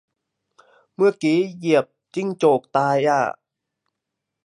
ตะกี้เหยียบจิ้งจกตายอ่ะ